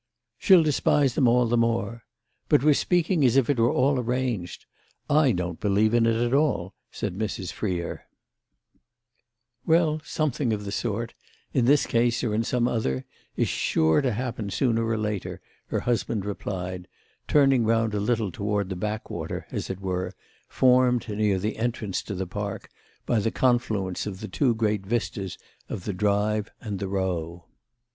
"She'll despise them all the more. But we're speaking as if it were all arranged. I don't believe in it at all," said Mrs. Freer. "Well, something of the sort—in this case or in some other—is sure to happen sooner or later," her husband replied, turning round a little toward the back water, as it were, formed, near the entrance to the Park, by the confluence of the two great vistas of the Drive and the Row.